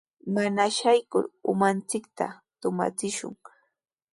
Mana shaykur umanchikta tumachishun.